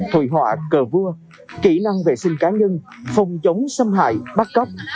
hội họa cờ vua kỹ năng vệ sinh cá nhân phòng chống xâm hại bắt cóc